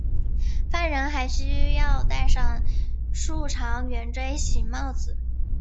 犯人还需要戴上竖长圆锥形帽子。